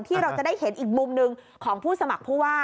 ที่เราจะได้เห็นอีกมุมหนึ่งของผู้สมัครผู้ว่า